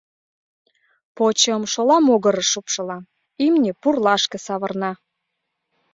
— Почым шола могырыш шупшылам — имне пурлашке савырна.